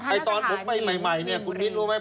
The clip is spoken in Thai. ตอนผมใหม่เนี่ยคุณมิ้นรู้ไหม